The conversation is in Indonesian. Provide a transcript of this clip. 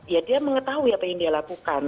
ya dia mengetahui apa yang dia lakukan